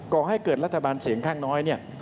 ก่อให้เกิดรัฐบาลเสียงข้างน้อยเนี่ย